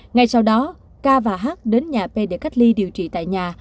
ngày sau đó k và h đến nhà p để cách ly điều trị tại nhà